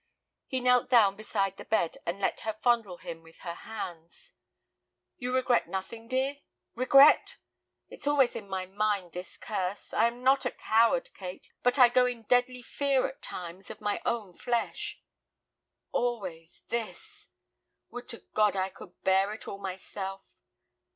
He knelt down beside the bed and let her fondle him with her hands. "You regret nothing, dear?" "Regret!" "It is always in my mind—this curse. I am not a coward, Kate, but I go in deadly fear at times of my own flesh." "Always—this!" "Would to God I could bear it all myself."